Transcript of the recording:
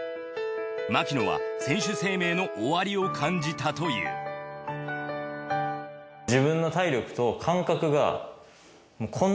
牧野は選手生命の終わりを感じたという戦力。